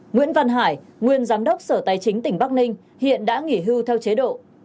nguyễn văn hải nguyên giám đốc sở tài chính tỉnh bắc ninh hiện đã nghỉ hưu theo chế độ